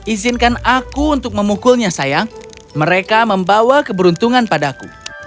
izinkan aku untuk memukulnya sayang mereka membawa keberuntungan padaku